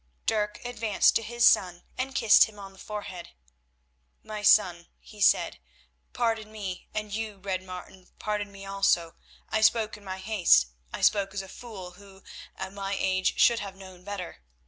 Dirk advanced to his son, and kissed him on the forehead. "My son," he said, "pardon me, and you, Red Martin, pardon me also. I spoke in my haste. I spoke as a fool, who, at my age, should have known better.